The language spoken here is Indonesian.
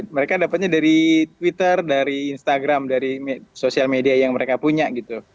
mereka dapatnya dari twitter dari instagram dari sosial media yang mereka punya gitu